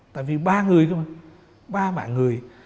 tại vì ba người thôi ba mạng người